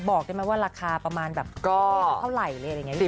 บอกได้ไหมว่าราคาประมาณแบบเท่าไหร่